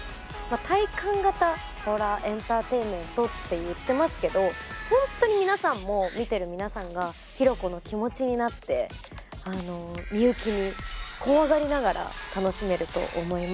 体感型ホラーエンターテインメントって言ってますけどホントに皆さんも見てる皆さんが比呂子の気持ちになって美雪に怖がりながら楽しめると思います